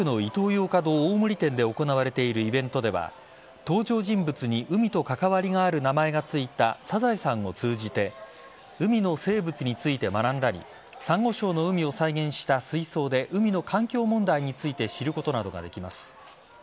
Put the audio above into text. ヨーカドー大森店で行われているイベントでは登場人物に海と関わりがある名前がついたサザエさんを通じて海の生物について学んだりサンゴ礁の海を再現した水槽で海の環境問題について知ることなどができます。